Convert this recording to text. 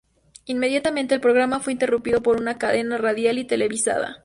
Inmediatamente el programa fue interrumpido por una cadena radial y televisiva.